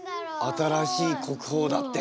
新しい国宝だって。